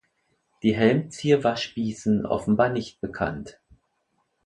Die Helmzier war Spießen offenbar nicht bekannt.